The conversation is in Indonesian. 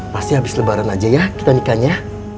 pasti habis lebaran aja ya kita nikahnya